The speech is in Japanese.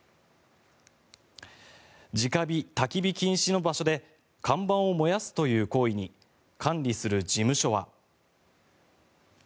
直火・たき火禁止の場所で看板を燃やすという行為に管理する事務所は。